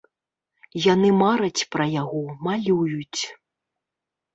Яны мараць пра яго, малююць.